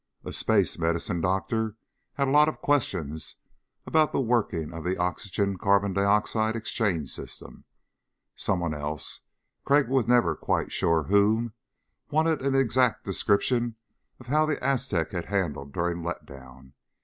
A space medicine doctor had a lot of questions about the working of the oxygen carbon dioxide exchange system. Someone else Crag was never quite sure who wanted an exact description of how the Aztec had handled during letdown.